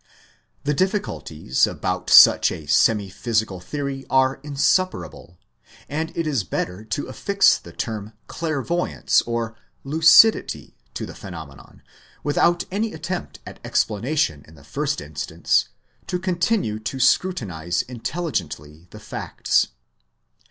The difficulties about such a semi physical theory are insuperable, and it is better to affix the term clairvoyance or lucidity to the phenomenon, without any attempt at explanation in the first instance, and continue to scru tinise intelligently the facts.